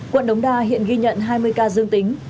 quận đống đa hiện ghi nhận hai mươi ca dương tính